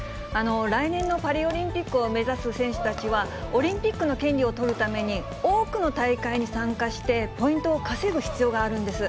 来年のパリオリンピックを目指す選手たちは、オリンピックの権利を取るために、多くの大会に参加して、ポイントを稼ぐ必要があるんです。